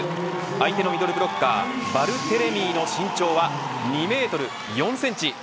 相手のミドルブロッカーバルテレミーの身長は２メートル４センチ。